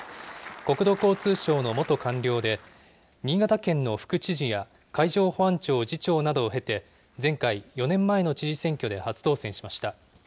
国土交通省の元官僚で、新潟県の副知事や海上保安庁次長などを経て、前回・４年前の知事選挙で初当選しました。